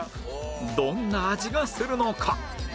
どんな味がするのか？